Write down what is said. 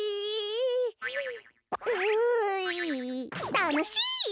たのしイ。